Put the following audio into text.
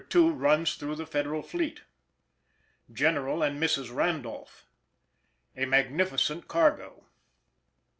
2 runs through the Federal Fleet—General and Mrs. Randolph—A magnificent cargo.